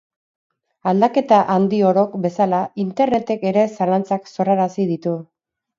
Aldaketa handi orok bezala, Internetek ere zalantzak sorrarazi ditu.